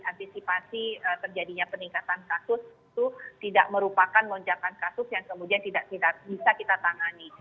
antisipasi terjadinya peningkatan kasus itu tidak merupakan lonjakan kasus yang kemudian tidak bisa kita tangani